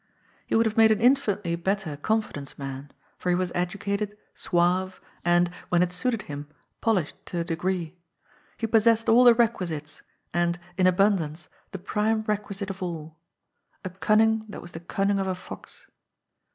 He would have made an infinitely better confidence man, for he was educated, suave, and, when it suited him, polished to a degree; he possessed all the requisites, and, in abun dance, the prime requisite of all a cunning that was the cunning of a fox.